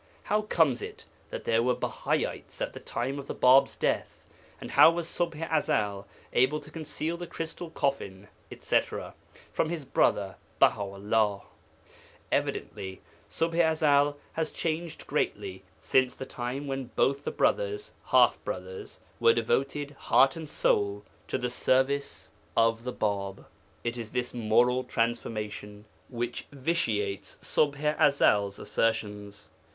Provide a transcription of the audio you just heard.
How comes it that there were Bahaites at the time of the Bāb's death, and how was Ṣubḥ i Ezel able to conceal the crystal coffin, etc., from his brother Baha 'ullah? Evidently Ṣubḥ i Ezel has changed greatly since the time when both the brothers (half brothers) were devoted, heart and soul, to the service of the Bāb. It is this moral transformation which vitiates Ṣubḥ i Ezel's assertions.